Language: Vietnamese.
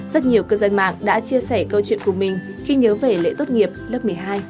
rất nhiều cư dân mạng đã chia sẻ câu chuyện của mình khi nhớ về lễ tốt nghiệp lớp một mươi hai